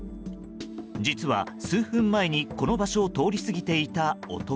実は数分前に、この場所を通り過ぎていた男。